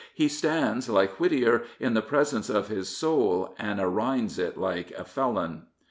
He stands, like Whittier, in the presence of his soul and arr^ns it like a felon.